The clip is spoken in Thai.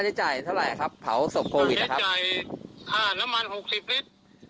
เท่าไหร่สามพันห้าอุ้ยค่าสับเบลอทำไมแพงเนี่ยครับ